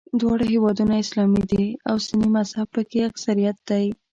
دواړه هېوادونه اسلامي دي او سني مذهب په کې اکثریت دی.